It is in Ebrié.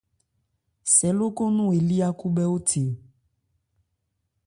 Sɛ lókɔn nɔn elí khúbhɛ́óthe.